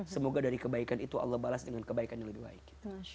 semoga dari kebaikan itu allah balas dengan kebaikan yang lebih baik